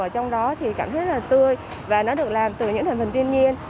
ở trong đó thì cảm thấy rất là tươi và nó được làm từ những thành phần tiên nhiên